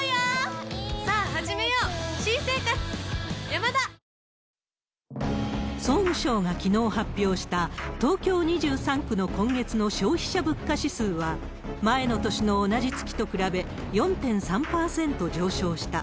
ポリグリップ総務省がきのう発表した、東京２３区の今月の消費者物価指数は、前の年の同じ月と比べ、４．３％上昇した。